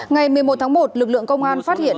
ngày một mươi một tháng một lực lượng công an phát hiện